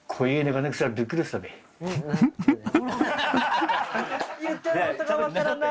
フフフ言ってることが分からない。